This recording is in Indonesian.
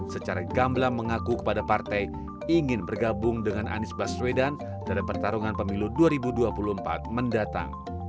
secara gamblang mengaku kepada partai ingin bergabung dengan anies baswedan dalam pertarungan pemilu dua ribu dua puluh empat mendatang